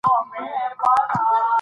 دوی د وینې پاک ساتلو کې مرسته کوي.